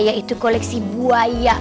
yaitu koleksi buaya